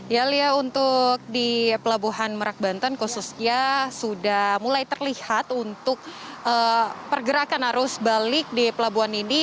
ya lia untuk di pelabuhan merak banten khususnya sudah mulai terlihat untuk pergerakan arus balik di pelabuhan ini